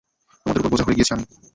তোমাদের ওপর বোঝা হয়ে গিয়েছি আমি।